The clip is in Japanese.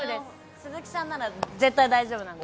鈴木さんなら絶対大丈夫なんで。